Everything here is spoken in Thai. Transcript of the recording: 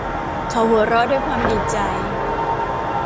เขาหัวเราะด้วยความดีใจ